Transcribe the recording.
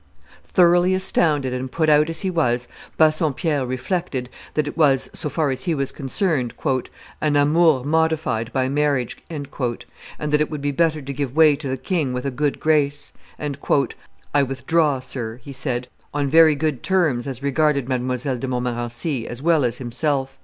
Thoroughly astounded and put out as he was, Bassompierre reflected that it was, so far as he was concerned, "an amour modified by marriage," and that it would be better to give way to the king with a good grace: and, "I withdraw, sir," he said, on very good terms as regarded Mdlle. de Montmorency as well as himself.